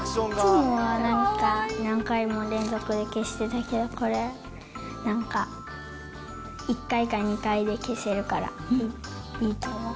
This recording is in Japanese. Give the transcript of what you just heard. いつもはなんか何回も連続で消してたけど、これ、なんか、１回か２回で消せるからいいと思う。